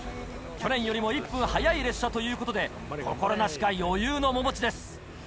去年よりも１分早い列車ということで心なしか余裕の面持ちです。